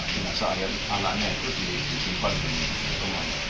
jenazah anaknya itu disimpan di rumahnya